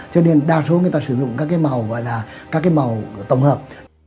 cho nên đa số người ta sử dụng các cái màu gọi là các cái màu tổng hợp